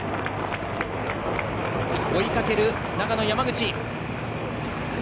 追いかける長野、山口。